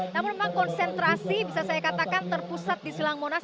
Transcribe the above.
namun memang konsentrasi bisa saya katakan terpusat di silang monas